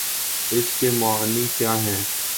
اس کے معانی کیا ہیں؟